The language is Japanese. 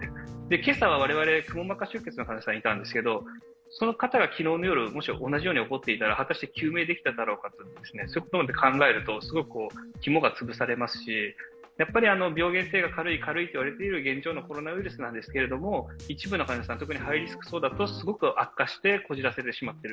今朝は我々、くも膜下出血の患者さんがいたんですが、そのようなことが昨夜起きていたら果たして救命できたかということまで考えるとすごく肝が潰されますし、病原性が軽い、軽いと言われている現状のコロナウイルスなんですけど、一部の患者さん、特にハイリスクだとすごく悪化してこじらせてしまっている。